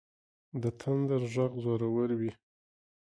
د تندر غږ زورور وي.